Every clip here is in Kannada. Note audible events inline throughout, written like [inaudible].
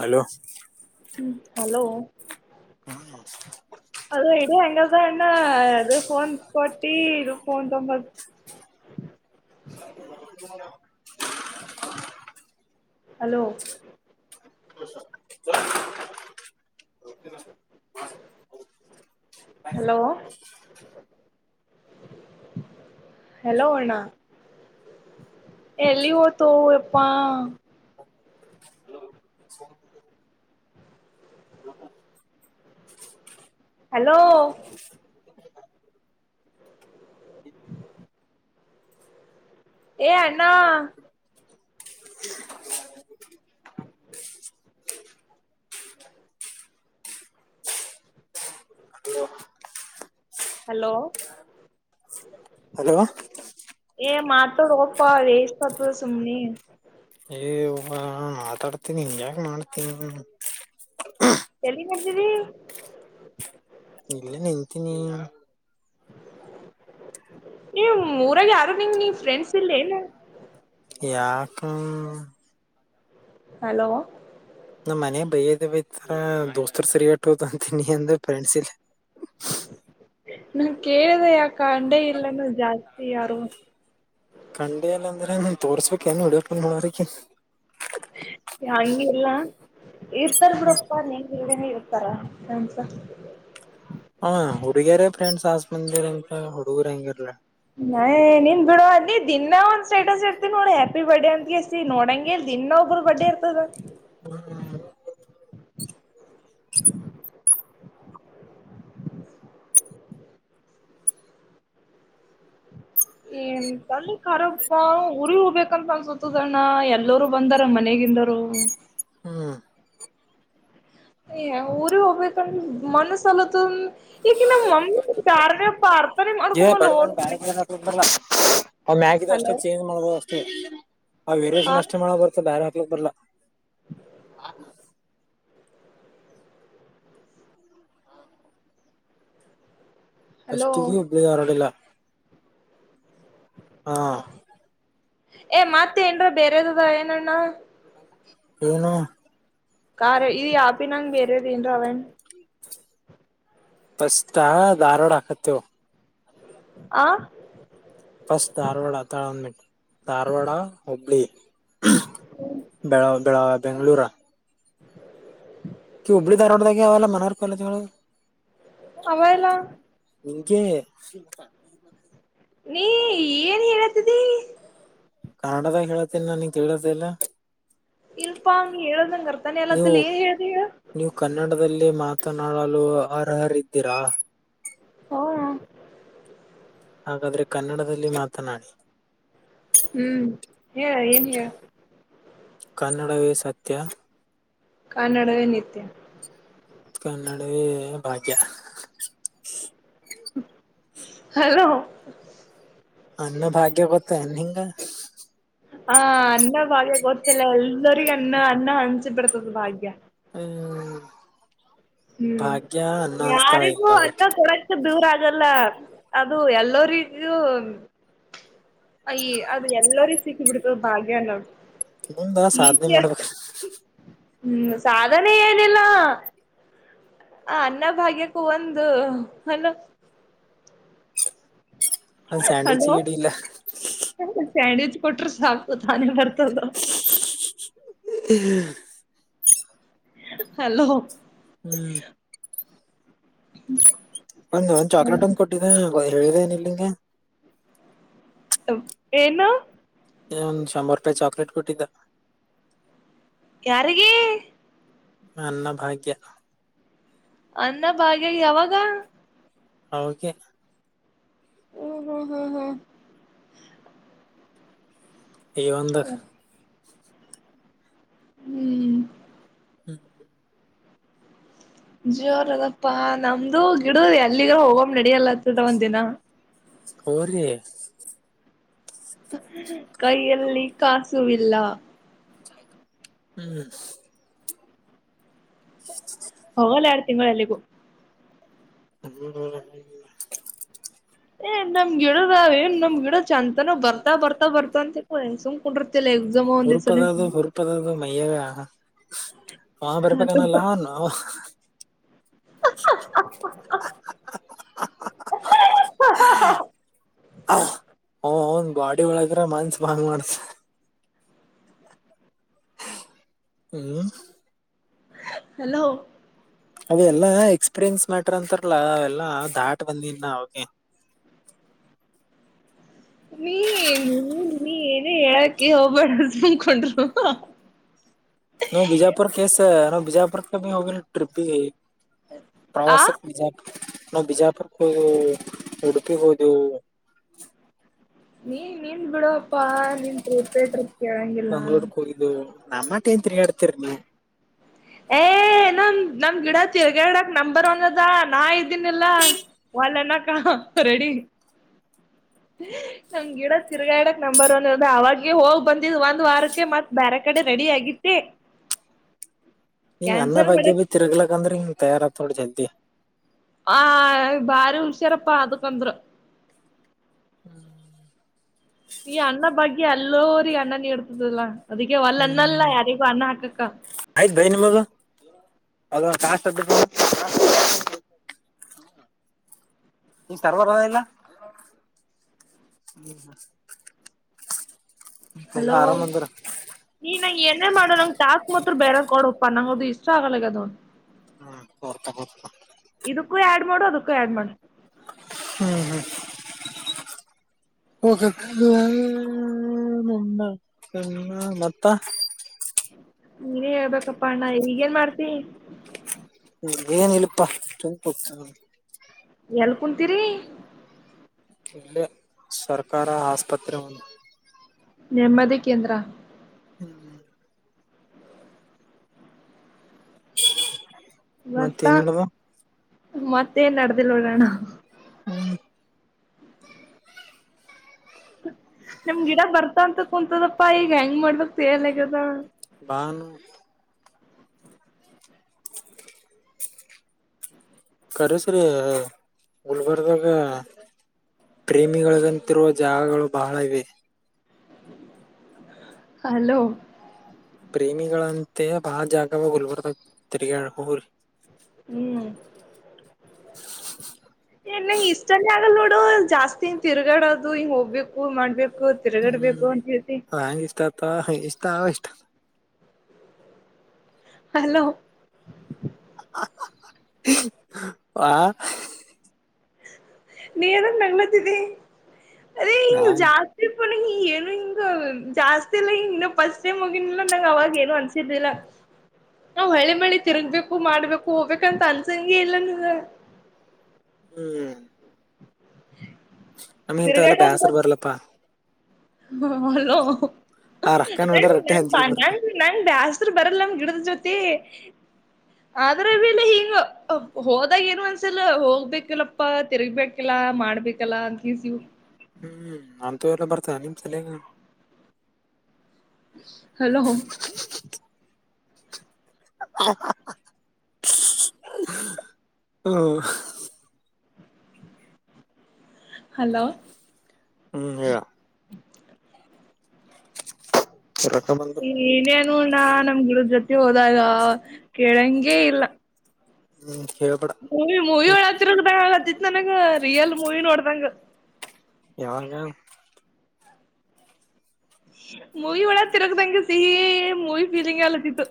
ಹಲೋ ಹ್ಮ ಹಲೋ ಹ್ಮ ಅ ಹೆಂಗದ ಅ್ಣ ಅದು ಫೋನ್ ಕೊಟ್ಟಿ ಇದು ಫೋನ್ ತೊಂಬದ [unintelligible] ಹಲೋ ಹಲೋ ಹಲೋ ಅ್ಣ ಎಲ್ಲಿ ಓತೋ ಎಪ್ಪಾ ಹಲೋ ಏ ಅಣ್ಣ ಹಲೋ ಹಲೋ ಏ ಮಾತ ರೋಪ ರೇಸ್್ತತ ಸುಮನೆ ಏ ಮಾತಾಡ್ತನಿ ಹಿಂಗ್ಯಾಕ ಮಾಡ್ತೀನಿ ಎಲ್ಲಿ ಮಾಡ್ದಿ ಇಲ್ಲ ನಿಲ್ತೀನಿ ನೀ ಮೂಊರಾಗ ಯಾರು ನಿಂಗ ನೀ ಫ್ರೆಂಡ್ಸ್ ಇಲ್ಲಿ ಏನು ಯಾಕ ಹಲೋ ನಮ್ಮ್ ಮನೆ ಬೈಯದ ಬತಾರ ದೋಸ್ತರ್ ಸರಿಯಟೋ ಅಂತೀನಿ ಅಂದ್ರ ಫ್ರೆಂಡ್ಸ್ ಇಲ್ಲ ನಾ ಕೇಳಿದೆ ಯ ಕಂಡೆ ಇಲ್ಲಾನ ಜಾಸ್ತಿ ಯಾರು ಖಂಡಿ ಅಲ್ಲ ಅಂದ್ರೆ ನನ್ ತೋರ್ಸ್ಬೇಕಕ್ ಏನು ಹೊಡಟ್ ನೋಡೋರಿಕ ಹಂಗಲ್ಲ ಇರ್ತಾರ ಬಿಡಪ್ಪಾ ನೀನ್ ಹೇಳೇನೆ ಇರ್ತಾರ ನಸ ್ರೆಂಡ್ಸ್ ಆಸ್ ಮಂದಿರ ಎಂತ ಹುಡುಗುರ ಹೆಂಗರಲ್ಲ ನಯ ನೀನ್ ಬಿಡ ಅ ನೀ ದಿನಾ ಒಂದ್ ಸ್ಟೇಟಸ್ ಇರ್ತಿ ನೋಡಿ ಹ್ಯಾಪಿ ಬರ್ಡೇ ಅಂತಗೆಸ ನೋಡಂಗ ಇ ದಿನ ಒಬ್ಬರು ಬಡ್ಡಿ ಇರ್ತದ ಹ್ಮ ಹ್ಮ ಏ ತಲ್ಲಿ ಖರಪ್ಪ ಉರಿ ಹೋಗ್ಬೇಕ ಕನ್ಫ ಸುತ್ತುದಣ್ಣ ಎಲ್ಲರುೂ ಬಂದಾರ ಮನೆಗಿಂದರು ಹ್ಮ್ ಊರಿ ಹೋಗಬ ಕ ಮನಸ್ಲ ಈ ಮಮ್ಮಿ ಧಾರಣ ಪಾರ್ಥ ಇ ಬ ಬ ಬಾ ಅವ ಮ್ಯಾಗಿದ ಹಲೋ ಅಷ್ಟೇ ಚೇಂಜ್ ಮಾಡ್ಬೋದು ಅಷ್ಟೇ ಆ ಹ ವೇರಷನ್ ಅಷ್ಟೇ ಮಾಡ ಬರ್ತ ಬೇರೆ ಹಾಕ್ಲಕ್ ಬರ್ಲ ಹಲೋ ಕಷ್ಟ ಇಬ್ರೋಡಿಲ್ಲ ಹಾ ಏ ಮತ್ತೆ ಏನ್ರ ಬೇರೆದದ ಏನಣ್ಣ ಏನು ಕಾರಾರ್ ಇದು ಯಾಪಿನಂಗ ಬರೆದನ್ ಅವನ್ ಪಷ್ಟ ಧಾರವಾಡ ಹಾಕತ್ತೇವು ಆ ಫಸ್ಟ್ ಧಾರವಾಡ ತಳಂದ್ಬಿಟ್ಟು ಧಾರವಾಡ ಹುಬ್ಬಳಿ ಬೆಳ ಬೆಳಾವ ಬೆಂಗಳೂರ ಹಬ್ಳಿ ಧಾರವಾಡದಾಗ ಅವಾವಲ್ಲ ಮನರ್ ಕಾಲೇಜಗಳು ಅವ ಇಲ್ಲ ಇಕ ನೀ ಏನ್ ಹೇಳತಿದಿ ಕನ್ನಡದಾಗ ಹೇಳತ್ತೇನಿ ನ ಕೇಳದೆಲ್ಲ ಇಲ್ಪಾ ನೀ ಹೇಳದ್ ನಂಗ್ ಅರ್ಥಾನೇ ನೀವು ಆಗ್ಲತಿಲ್ಲ ಏನ್ ಹೇಳ್ದಿ ಹೇಳು ನೀವು ಕನ್ನಡದಲ್ಲೇ ಮಾತ್ರ ಮಾತನಾಾಡಲು ಅರ್ಹರ್ದೀರಾ ಹೌ ಹಾಗಾದ್ರೆ ಕನ್ನಡದಲ್ಲಿ ಮಾತನಾಡಿ ಹ್ಮ್ ಹೇಳ ಏನ್ ಹೇಳ ಕನ್ನಡವೇ ಸತ್ಯ ಕನ್ನಡದ ನಿತ್ಯ ಕನ್ನಡಿ ಭಾಗ್ಯ ಹಲೋ ಅನ್ನ ಭಾಗ್ಯ ಗೊತ್ತ ಅನ್ ಹಿಂಗ ಹಾ ಅನ್ನ ಭಾಗ್ಯ ಗೊತ್ತಿಲ್ಲ ಎಲ್ಲರಿಗ ಅನ್ನ ಅನ್ನ ಹಂಚ ಬಿಿಡ್ತದ ಭಾಗ್ಯ ಹ್ಮ್ ಹ್ಮ್ ಭಾಗ್ಯ ಅನ್ನ ಅನ್ಸ್ತಾಳ ಯಾರಿಗೂ ಇವಾಗ ಅ ಕೊಡ ದೂರ ಆ ಹಾಗಲ್ಲ ಅದು ಎಲ್ಲರಿಗೂ ಈ ಅದು ಎಲ್ಲರಿೂ ಸಿಕ್ಕಿ ಬಿಡ್ತದ ಭಾಗ್ಯ ಅನ್ನೋ ಮುಂದ ಈ ಸಾಧನೆ ಮಾಡ್ಬೇಕ ಹ್ಮ್ ಸಾಧನೆ ಏನಿಲ್ಲ ಹ ಅನ್ನ ಭಾಗ್ಯಕ್ಕೂ ಒಂದು ಅಲ ಒಂದ್ ಸ್ಯಾಂಡ್ವಿಚ್ ಹಲೋ ಗಿಡ ಇಲ್ಲ ಸ್ಯಾಂಡವಿಚ್ ಕೊಟರು ಸಾಕ್ತ ತಾನೇ ಬರ್ತದ ಹ ಹಲೋ ಹ್ಮ್ ಹ್ಮ ಒಂದ ಒಂದ ಚಾಕ್ಲೇಟ್ ಒಂದ ಕೊಟ್ಟಿದೆ ಹೇಳನ್ ಇಲ್ಲಿಂಗೆ ಏನು ಒಂದ್ ಶಂಬ ರೂಪಾಯಿ ಚಾಕ್ಲೇಟ್ ಕೊಟ್ಟಿದ್ದ ಯಾರಿಗೆ ನನ್ನ ಭಾಗ್ಯ ಅನ್ನ ಭಾಗ್ಯ ಯಾವಾಗ ಹ ಕೆ ಹ್ಮ್ ಹ್ಮ್ ಹ್ಮ್ ಹ್ಮ್ [inaudible] ಇಗ ಒಂದ ಹ್ಮ್ [inaudible] ಜೋರ ಅದಪ್ಪಾ ನಮ್ದು ಗಿಡ ಅಲ್ಲಿಗ ಹೋಗೊಂಬ ನಡಿಯಲ್ಲತ್ಟ ಒಂದ ದಿನ [unintelligible] ಹೋರಿ [unintelligible] ಕೈಯಲ್ಲಿ ಕಾಸುಇಲ್ಲ ಹ್ಮ್ [inaudible] [inaudible] [unintelligible] ಹ್ಮ [unintelligible] ಏ ನಮ್ ಗಿಡದಾವ ಏನ್ ನಮ್ ಗಿಡ ಜಂತಾನ ಬರ್ತಾ ಬರ್ತಾ ಬರ್ತಾ ಅಂತ ಸುಮ್ [unintelligible] ಎಕ್ಸಾಮ್ ಅವ ಒಂದು ದಿಸ [unintelligible] ಇ ಹ ಬರಿಪಕನಲ್ಲಾ [unintelligible] [unintelligible] ಓ ಒಂದ ಬಾಡಿ ಒಳದ್ರ ಮನ್ಸ ಭಾಂಗ್ ಮಾಡ್ತ [unintelligible] ಹ್ಮ್ [unintelligible] ಹಲೋ ಅವೆಲ್ಲಾ ಎಕ್ಸ್ಪೀರಿಯನ್ಸ್ ಮ್ಯಾಟ್ರ ಅಂತಾರಲ್ಲ ಅವೆಲ್ಲಾ ದಾಟ್ ಬಂದನ್ ಅವೆ [unintelligible] [inaudible] ನೀ ನೀ ನೀ [unintelligible] ನೀ ಏನ ಹೇಳಕ ಹೋಗ್ಬೇಡ [unintelligible] ಹಂಬಕೊಂಡರು [unintelligible] ಬಿಜಾಪುರಕ್ಕೆ ಹೋಗ ಟ್ರಿಪ್ ಆ ಪ್ರವಾಸ ಬಿಜಾಪು [unintelligible] ನ ಬಿಜಾಪು ಹೋಗು ಉಡುಪಿ ಹದು [unintelligible] ನೀ ನೀನ್ ಬಿಡುವಪ್ಪಾ ನೀನ್ಟ್ರ [unintelligible] ಕೆಳಂಗಿಲ್ಲ ನಮ್ಮ [unintelligible] ನ್ ತಿೀಗ ಅಡ್ತರ್ನ ಏ ನಮ ನಮ್ ಗಿಡ ತಿರ್ಗಾಗಿಡಕ್ ನಂಬರ್ ಒನ್ ಅದ ನಾ ಇದ್ದೀನಿಲ್ಲ ಒಲ್ಲನಕ ರೆಡಿ [unintelligible] ನಮ್ ಗಿಡ ತಿರ್ಗಾ ಇಿಡಕ್ ನಂಬರ್ ಒನ್ ಅದ ಅವಾಗ ಹೋಗ್ ಬಂದಿದ್ ಒಂದ ವಾರಕ್ಕೆ ಮತ್ತ ಬೇರೆ ಕಡೆ ರ [unintelligible] ರೆಡಿ ಆಗತ್ತ [unintelligible] ನೀವ್ ಅನ್ನ ಬಗ್ಗೆ ಭ ತಿರ್ಗ್ಲಕ್ ಅಂದ್ರೆ ನಿಂಗ್ ತಯಾರತ್ತೋಡ್ ಜಲ್ [unintelligible] ಆ ಬಾರಿ ಹುಷಾರಪ್ಪಾ ಅದಕಂದ್ರ ಹ್ಮ್ [inaudible] ಈ ಅ್ಣ ಬಗ್ಗೆ ಎಲ್ಲೋನೊ [unintelligible] ಅನ್ನ ನೀಡ್ತದಲ್ಲಾ ಅದಕ್ಕೆ ಒಲ್ ಅನ್ನ ಅಲ್ಲ ಹ್ಮ್ ಯಾರಿಗೂ ಅನ್ನ ಹಾಕಕ್ಕ ಆಯ್ತ್ ಬೈ ನಿಮಗ [unintelligible] [unintelligible] ಸರ್ವರೇ ಇಲ್ಲ [inaudible] ಹಲೋ ಎಲ್ಲಾ ಆರಾಮ್ ಅಂದ್ರ ನೀ ನಂಗ ನೇ ಮಾಡೋ ನಂಗ ಟಾಸ್ಕ್ ಮ [unintelligible] [unintelligible] ಬೇರೆ ಕೊಡಪ್ಪ ನಂಗದು ಇಷ್ಟ ಆಗಲ್ಲದು ಹ್ಮ್ ಬರ್ತಾ ಬರ್ತಾ ಇದಕ್ಕೂ ಆ [unintelligible] [unintelligible] ಹಾಡ್ ಮಾಡು ಹ್ಮ್ ಹ್ಮ್ [inaudible] [inaudible] [unintelligible] [inaudible] ನೀನೇ ಹೇಳ್ಬೇಕಪ್ಪಾ ಅಣ್ಣ ಈಗೇನ್ ಮಾಡ್ತಿ ಏನ್ ಇಳಪಾ ಅಷ್ಟೊತ [unintelligible] ಎಲ್ ಕುಂತೀರಿ [unintelligible] ಸರ್ಕಾರ ಆಸ್ಪತ್ರೆ ಒಂದು ನೆಮ್ಮದಿ ಕೇಂದ್ರ [inaudible] [unintelligible] ಮತ್ತ ತಿನ್ ನವ ಮತ್ತೇನ್ ನಡ್ದಿಲ್ ನೋಡೋಣ [unintelligible] ಹ್ಮ ನಿಮ್ ಗಿಡ ಬರ್ತಾ ಅಂತ ಕುೂಂತದಪ್ಪಾ ಈಗ ಹೆಂಗ್ ಮಾಡ್ಬೇಕಕ್ ಸೇಲ್ಗದ [inaudible] ಬ ಕ ಸರಿೀ ಗುಲ್ಬರ್ದಾಗ [inaudible] ಪ್ರೇಮಿಗಳಿಗಂತಿರುವ ಜಾಗಗಳು ಬಹಳ ಇವೆ ಹಲೋ ಪ್ರೇಮಿಗಳಂತೆ ಬಾಳ ಜಾಗವಾಗ ಹಲ್ಬರ್ತ ತಿರ್ಗಳ ಹ್ರ ಹ್ಮ್ ಏ ನಂಗಗೆ ಇಷ್ಟನೆೇ ಆಗಲ್ ನೋಡು ಜಾಸ್ತಿನ್ ತಿರ್ಗಾಡದು ಹಂಗ ಹೋಗ್ಬೇಕು ಮಾಡ್ಬೇಕು [inaudible] ಕೋತಿರ ಗಡ್ಬೇಕು ಹೊಂತಿ ಹಾ ಇಷ್ಟ ಆ ಇಷ್ಟ ಹಲೋ ಆಾ [unintelligible] ನೀ ನಂಗನತ್ತಿದೆ ಅದೇ ನಾ ಹಿಂಗ ಜಾಸ್ತಿ ಇರ್ ಪನ ಏನ ಹಿಂಗ ಜಾಸ್ತಿ ಇಲ್ಲ ಹನ್ನು ಫಸ್ಟ್ ಟೈಮ್ ಹೋಗಿದಿಲ್ಲ ನಂಗ ಅವಾಗ ಏನು ಅನ್ಸಿದಿಲ್ಲ ನಾವ್ ಹಳೆ ಮಾಡಿ ತಿರುಗ್ಬೇಕು ಮಾಡ್ಬೇಕು ಹೋಗ್ಬೇಕಂತ ಅನ್ಸಂಗೆ ಇಲ್ಲ ನೀವ ಹ್ಮ್ ನಮ್ ಇಂತ ಎಲ್ಲ ತಿರ್ಗಾಟ ಬೇಸರ್ ಬರ್ಲಪ್ಪಾ ಹಲೋ ಆ ರೊಕ್ಕ ನೋಡ್ರ ರೊಟ್ಟಿ ನ ಹಂಚಿಗೆ ಬರ್ತ ನ ನ ಬಸ್ [unintelligible] ಬರಲ್ಲಮ ಗಿಡದ ಜ್ಯೋತಿ ಆದ್ರಲೆ ಹಿಂಗು ಹೋದಾಗ ಏನು ಒಂದ್ಸಲ ಹೋಗ್ಬೇಕಿಲ್ಲಪ್ಪ ತಿರ್ಗ್ಬೇಕಿಲ್ಲ ಮಾಡ್ಬೇಕಲ್ಲಾ ಅಂತಸವು [unintelligible] ಹ್ಮ್ ಅಂತೂ ಎಲ್ಲ ಬರ್ತೇಾನ ನಿಮ್ ತಲೆಗಾ ಹಲೋ ಹ್ಮ [unintelligible] ಹಲೋ ಹ್ಮ್ ಹೇಳ ರೊಕ್ಕ ಬಂದು ನೇನು ನ ನಮ್ ಗುಡದ ಜೊತೆ ಹೋದಾಗ ಕೆೇಳಂಗಗೆ ಇಲ್ಲ ಹ್ಮ್ ಹೇಳ್ಬೇಡ ಮೂವಿ ಮೂವಿ ಒಳತ್ತ ನೋಡ್ದತಿಿತ್ ನನಂಗ ರಿಯಲ್ ಮೂವಿ ನೋಡ್ದಂಗ ಯಾವಂಗ ಮೂವಿ ಒಳ ತಿರಗದಂಗ ಸಿಹಿ ಮೂವಿ ಫೀಲಿಂಗ್ ಆಲತಿತ್ತು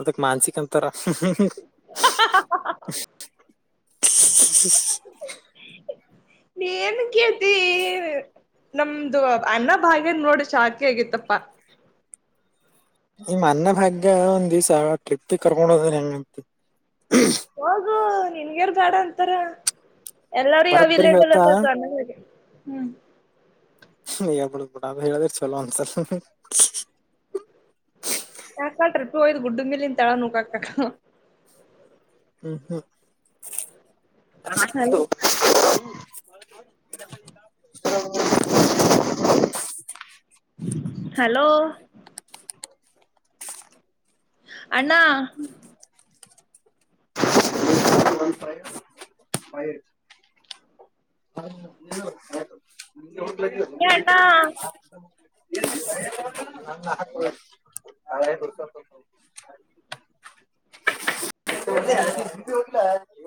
ಅದಕ್ ಮಾನಸಿಕ ಅಂತರ ಹ [unintelligible] ನೀನ ಕೇತೀ [unintelligible] ನಮ್ದು ಅನ್ನ ಭಾಗ್ಯದ ನೋಡ ಶಾಕೆ ಆಗಿತ್ತಪ್ಪಾ ನಿಮ್ಮ ಅನ್ನ ಭಾಗ್ಯ ಒಂದ್ ದಿವ್ಸ ಟ್ರಿಪ್ಗೆ ಕರ್ಕೊಂಡ ಹೋದ ಹೆಂಗಂತ ಹೋಗು ನಿನ್ಗರ್ ಬೇಡ ಅಂತಾರ ಎಲ್ಲಾರ ಬರಬ್ಬರಿ ಅವೈಲಬಲ್ ಹೇಳ್ತಾ ಅತ ಸ ಹ್ಮ್ [unintelligible] ಗ ಬಿಡಬಡ ಅದು ಹೇಳದಿರ್ಲ ಅಂತ [unintelligible] ಕಾಕಾ ಟ್ರಿಟ್ಟು ಹಯ್ದ ಗುಡ್ಡು ಮೇಲಿಂದ ತಳನು ಕಾ ಕಾ ಹ ಹಾ [unintelligible] ಮಾಡು [unintelligible] ಹ [unintelligible] ಹಲೋ [unintelligible] ಅಣ್ಣ [unintelligible] [unintelligible] ಏ ಅಣ್ಣ ನ ಹ [unintelligible] [unintelligible] [unintelligible]